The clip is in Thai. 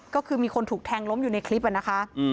ก็คือมีคนถูกแทงล้มอยู่ในคลิปนะคะ